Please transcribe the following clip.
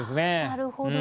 なるほど。